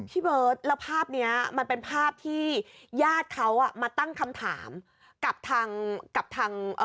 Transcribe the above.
พี่เบิร์ตแล้วภาพเนี้ยมันเป็นภาพที่ญาติเขาอ่ะมาตั้งคำถามกับทางกับทาง